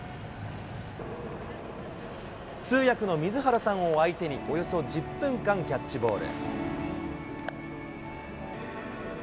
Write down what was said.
通訳の水原さんを相手に、およそ１０分間キャッチボール。